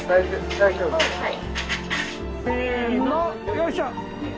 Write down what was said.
よいしょ！